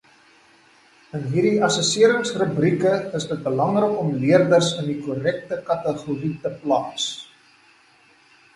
In hierdie assesseringsrubrieke is dit belangrik om leerders in die korrekte kategorie te plaas.